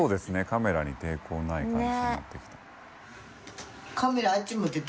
カメラに抵抗ない感じになってきた。